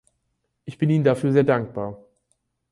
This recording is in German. Ich bin Ihnen dafür sehr dankbar.